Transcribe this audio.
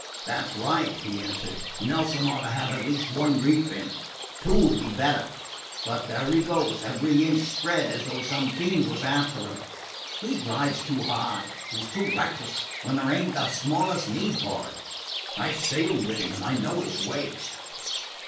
"That 's right," he answered. "Nelson ought to have at least one reef in. Two 'd be better. But there he goes, every inch spread, as though some fiend was after 'im. He drives too hard; he 's too reckless, when there ain't the smallest need for it. I 've sailed with him, and I know his ways."